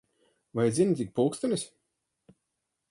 Vai zini, cik pulkstenis?